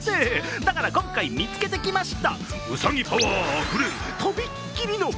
だから今回、見つけてきました